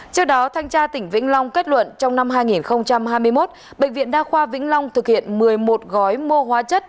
trước đó thanh tra tỉnh vĩnh long kết luận trong năm hai nghìn hai mươi một bệnh viện đa khoa vĩnh long thực hiện một mươi một gói mua hóa chất